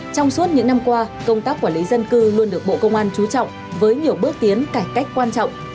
trong suốt những năm qua công tác quản lý dân cư luôn được bộ công an trú trọng với nhiều bước tiến cải cách quan trọng